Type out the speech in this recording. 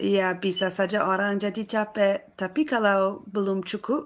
ya bisa saja orang jadi capek tapi kalau belum cukup